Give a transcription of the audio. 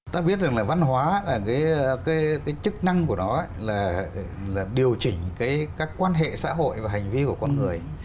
ta biết rằng là văn hóa cái chức năng của nó là điều chỉnh cái các quan hệ xã hội và hành vi của con người